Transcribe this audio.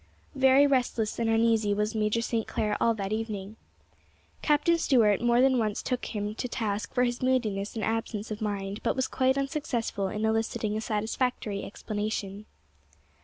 Very restless and uneasy was Major St. Clair all that evening; Captain Stuart more than once took him to task for his moodiness and absence of mind, but was quite unsuccessful in eliciting a satisfactory explanation.